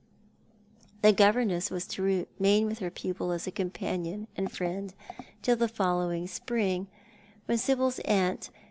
The governess was to remain with her pupil as companion and friend till the following spring, when Sibyl's aunt.